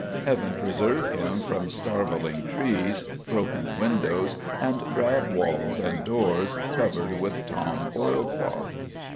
Heaven preserve him from starveling trees, broken windows, and drab walls and doors covered with tom oilcloth.